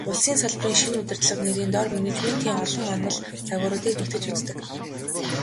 Улсын салбарын шинэ удирдлага нэрийн доор менежментийн олон онол, загваруудыг нэгтгэж үздэг.